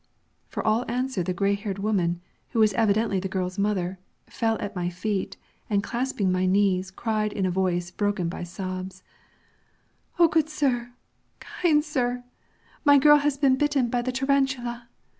For all answer the gray haired woman, who was evidently the girl's mother, fell at my feet, and clasping my knees, cried in a voice broken by sobs, "O good sir, kind sir, my girl has been bitten by the tarantula!